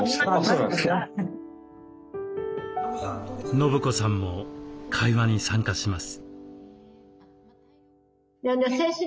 伸子さんも会話に参加します。